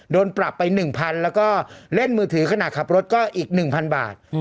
โดนปรับไป๑๐๐๐แล้วก็เล่นมือถือขณะขับรถก็อีก๑๐๐บาท